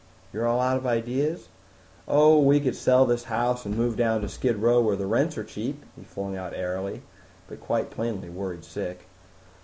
"You're all out of ideas?" "Oh we could sell this house and move down to skid row where the rents are cheap," he flung out airily, but quite plainly worried sick.